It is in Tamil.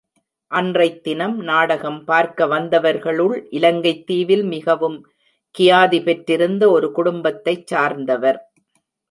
அன்றைத் தினம் நாடகம் பார்க்க வந்தவர்களுள், இலங்கைத் தீவில் மிகவும் கியாதி பெற்றிருந்த ஒரு குடும்பத்தைச் சார்ந்தவர்.